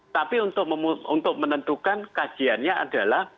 tapi untuk menentukan kajiannya adalah